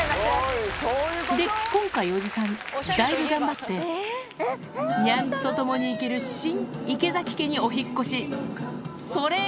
で、今回、おじさん、だいぶ頑張って、ニャンズと共に生きる新池崎家にお引っ越し。